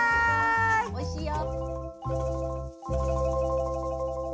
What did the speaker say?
おいしいよ。